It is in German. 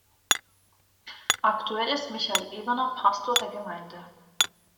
Aktuell ist Michael Ebener Pastor der Gemeinde.